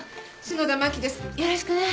よろしくね